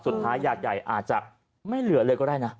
สุดท้ายหยากใหญ่อาจจะไม่เหลือเลยก็ได้นะ